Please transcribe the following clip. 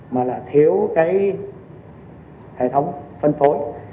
mà là thiếu hệ thống phân phối